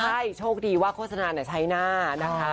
ใช่โชคดีว่าโฆษณาใช้หน้านะคะ